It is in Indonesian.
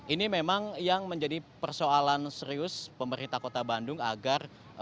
ini memang yang menjadi persoalan serius pemerintah kota bandung agar